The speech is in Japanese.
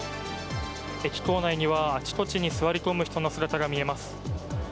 駅構内にはあちこちに座り込む人の姿が見えます。